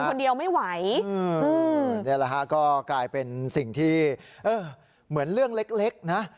คนเดียวไม่ไหวนี่แหละฮะก็กลายเป็นสิ่งที่เหมือนเรื่องเล็กนะ